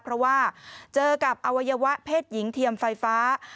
เพราะว่าเจอกับอวัยวะเพศหญิงเทียมไฟฟ้า